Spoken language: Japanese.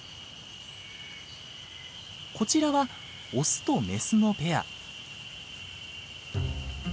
こちらはオスとメスのペア。